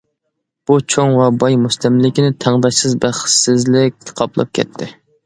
بۇ چوڭ ۋە باي مۇستەملىكىنى تەڭداشسىز بەختسىزلىك قاپلاپ كەتتى.